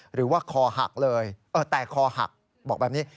หรือว่าคอหักเลยแต่คอหักบอกแบบนี้